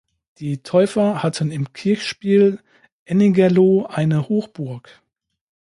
Die Täufer hatten im Kirchspiel Ennigerloh eine Hochburg.